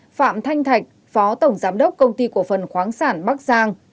phạm thanh thạch phó tổng giám đốc công ty cổ phần khoáng sản bắc giang